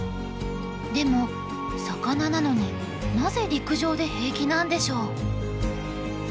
でも魚なのになぜ陸上で平気なんでしょう？